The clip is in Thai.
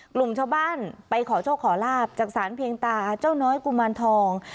กลุ่มชาวบ้านไปขอโชคขอลาบจากสารเพียงตาเจ้าน้อยกุมารทอง